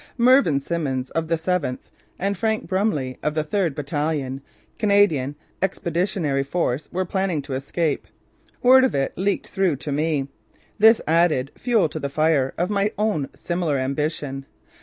Mervin Simmons of the 7th, and Frank Brumley of the 3rd Battalion, Canadian Expeditionary Force were planning to escape. Word of it leaked through to me. This added fuel to the fire of my own similar ambition.